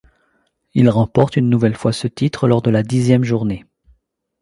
Il remporte une nouvelle fois ce titre lors de la dixième journée.